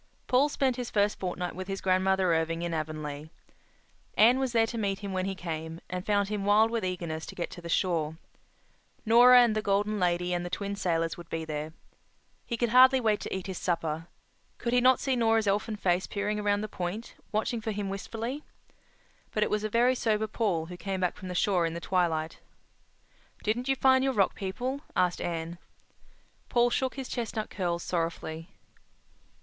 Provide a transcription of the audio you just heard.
Paul spent his first fortnight with his grandmother Irving in Avonlea. Anne was there to meet him when he came, and found him wild with eagerness to get to the shore—Nora and the Golden Lady and the Twin Sailors would be there. He could hardly wait to eat his supper. Could he not see Nora's elfin face peering around the point, watching for him wistfully? But it was a very sober Paul who came back from the shore in the twilight. "Didn't you find your Rock People?" asked Anne. Paul shook his chestnut curls sorrowfully.